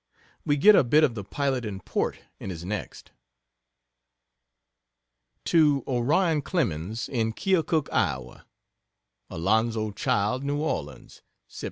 We get a bit of the pilot in port in his next. To Orion Clemens, in Keokuk, Iowa: "ALONZO CHILD," N. ORLEANS, Sep.